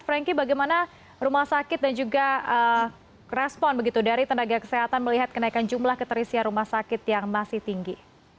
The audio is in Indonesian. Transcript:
franky bagaimana rumah sakit dan juga respon begitu dari tenaga kesehatan melihat kenaikan jumlah keterisian rumah sakit yang masih tinggi